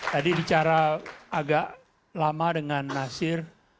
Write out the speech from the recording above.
tadi bicara agak lama dengan nasir